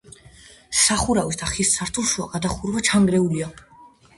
სახურავის და ხის სართულშუა გადახურვა ჩანგრეულია.